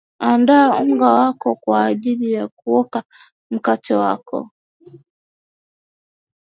andaa unga wako kwa ajili ya kuoka mkate wako